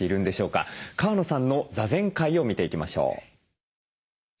川野さんの座禅会を見ていきましょう。